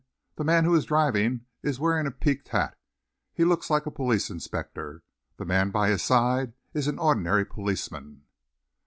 "The man who is driving is wearing a peaked hat. He looks like a police inspector. The man by his side is an ordinary policeman."